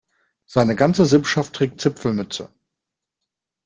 Seine ganze Sippschaft trägt Zipfelmütze.